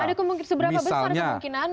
ada kemungkinan seberapa besar kemungkinan